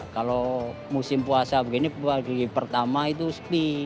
kalau musim puasa begini pertama itu sepi